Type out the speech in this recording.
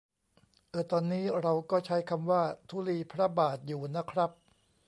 เอ่อ ตอนนี้เราก็ใช้คำว่า ธุลีพระบาท อยู่นะครับ